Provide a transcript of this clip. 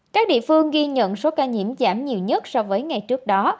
các địa phương ghi nhận số ca nhiễm giảm nhiều nhất so với ngày trước đó